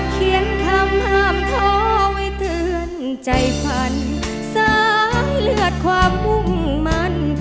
เขียนคำห้ามท้อไว้เตือนใจฝันสร้างเลือดความมุ่งมัน